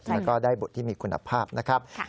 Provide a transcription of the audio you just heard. แล้วก็ได้บุตรที่มีคุณภาพนะครับ